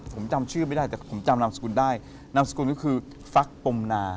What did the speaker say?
ผมจำชื่อไม่ได้แต่ผมจำนามสกุลได้นามสกุลก็คือฟักปมนา